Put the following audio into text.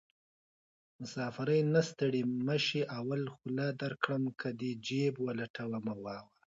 مسافرۍ نه ستړی مشې اول خوله درکړم که دې جېب ولټومه